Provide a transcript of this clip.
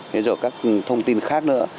thế rồi các thông tin khác nữa